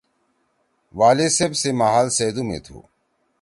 والی صیب سی محل سیدُو می تُھو۔